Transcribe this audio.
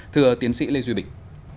thưa tiến sĩ lê duy bình